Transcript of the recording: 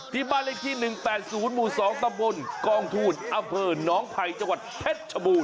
ที่บ้านเลขที่๑๘๐หมู่๒ตำบลกองทูลอำเภอน้องไผ่จังหวัดเพชรชบูร